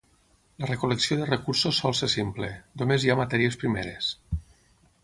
La recol·lecció de recursos sol ser simple, només hi ha matèries primeres.